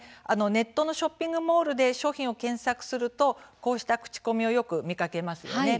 ネットのショッピングモールで商品を検索すると、こうした口コミをよく見かけますよね。